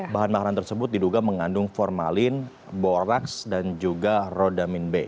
bahan bahan tersebut diduga mengandung formalin borax dan juga rodamin b